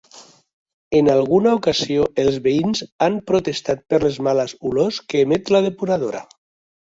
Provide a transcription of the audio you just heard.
En alguna ocasió els veïns han protestat per males olors que emet la depuradora.